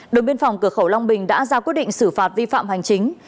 đội biên phòng cửa khẩu long bình đã ra quyết định xử phạt vi phạm hành chính